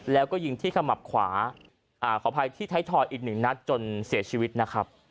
แล้วก็ยิงที่ขมับขวาขออภัยที่ไทยทอยอีกหนึ่งนัดจนเสียชีวิตนะครับ